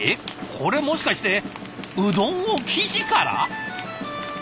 これもしかしてうどんを生地から！？